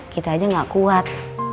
kita aja gak kuat